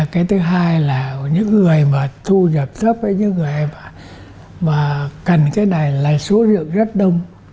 cái thứ hai là những người mà thu nhập thấp với những người mà cần cái này là số rượu rất đông